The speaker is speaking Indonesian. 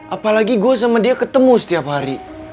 apalagi gue sama dia ketemu setiap hari